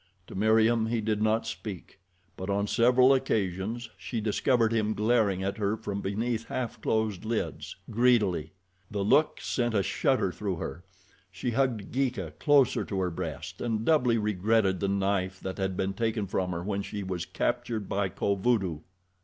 To Meriem he did not speak, but on several occasions she discovered him glaring at her from beneath half closed lids—greedily. The look sent a shudder through her. She hugged Geeka closer to her breast and doubly regretted the knife that they had taken from her when she was captured by Kovudoo.